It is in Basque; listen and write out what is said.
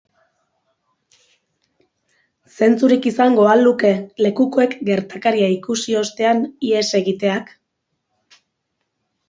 Zentzurik izango al luke lekukoek gertakaria ikusi ostean ihes egiteak?